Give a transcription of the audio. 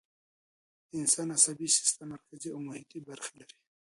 د انسان عصبي سیستم مرکزي او محیطی برخې لري